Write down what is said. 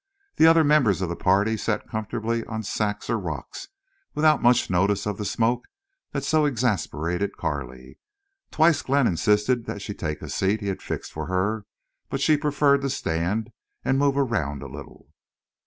The other members of the party sat comfortably on sacks or rocks, without much notice of the smoke that so exasperated Carley. Twice Glenn insisted that she take a seat he had fixed for her, but she preferred to stand and move around a little.